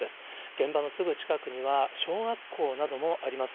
現場のすぐ近くには、小学校などもあります。